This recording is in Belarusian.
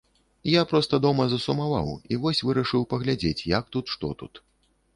Я проста дома засумаваў, і вось вырашыў паглядзець, як тут, што тут.